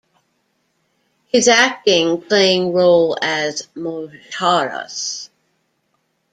His acting playing role as Mojarras.